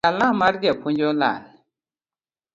Kalam mar ajuoga olal